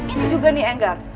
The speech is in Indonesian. ini juga nih enggar